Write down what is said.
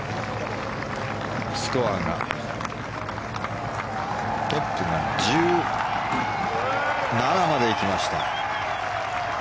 スコアがトップが１７まで行きました。